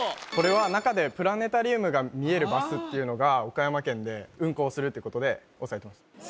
これは中でプラネタリウムが見れるバスっていうのが岡山県で運行するってことで押さえてました